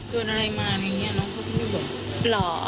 โดนอะไรมาอย่างเงี้ยน้องเค้าไม่บอก